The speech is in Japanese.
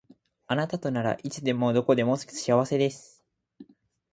あなたとならいつでもどこでも幸せです